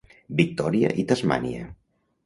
Victòria i Tasmània.